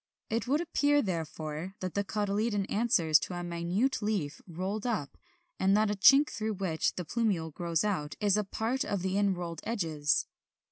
It would appear therefore that the cotyledon answers to a minute leaf rolled up, and that a chink through which the plumule grows out is a part of the inrolled edges.